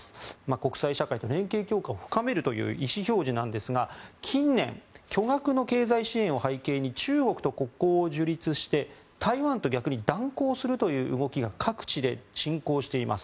国際社会と連携強化を深めるという意思表示なんですが近年、巨額の経済支援を背景に中国と国交を樹立して台湾と逆に断交するという動きが各地で進行しています。